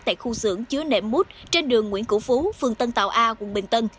tại khu xưởng chứa nệm mút trên đường nguyễn cửu phú phường tân tàu a quận bình tân